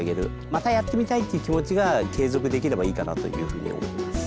またやってみたいっていう気持ちが継続できればいいかなというふうに思ってます。